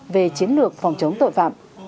về chiến lược phòng chống tội phạm